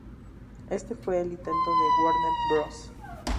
Este fue el intento de Warner Bros.